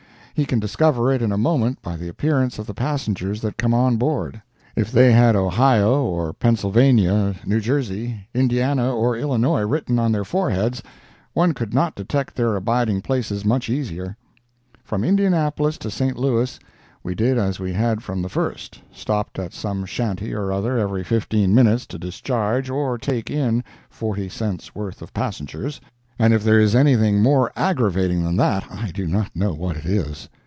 He can discover it in a moment by the appearance of the passengers that come on board. If they had Ohio or Pennsylvania, New Jersey, Indiana or Illinois written on their foreheads, one could not detect their abiding places much easier. From Indianapolis to St. Louis we did as we had from the first—stopped at some shanty or other every fifteen minutes to discharge or take in forty cents worth of passengers, and if there is anything more aggravating than that, I do not know what it is.